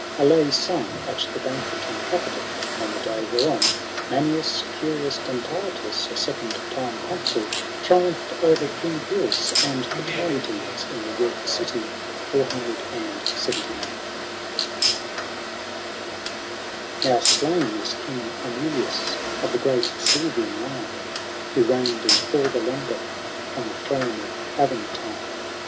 A LAY SUNG AT THE BANQUET IN THE CAPITOL, ON THE DAY WHEREON MANIUS CURIUS DENTATUS, A SECOND TIME CONSUL, TRIUMPHED OVER KING PYRRHUS AND THE TAREXTINES, IN THE YEAR OF THE CITY CCCCLXXIX, f Now slain is King Amulius, Of the great Sylvian line, Who reigned in Alba Longa, On the throne of Aventine.